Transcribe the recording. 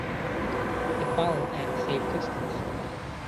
They followed at a safe distance.